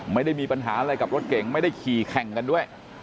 ไม่ได้มีปัญหาอะไรกับรถเก่งไม่ได้ขี่แข่งกันด้วย